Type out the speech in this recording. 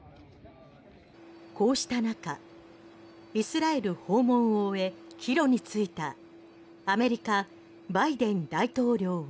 こうした中イスラエル訪問を終え帰路に就いたアメリカ、バイデン大統領は。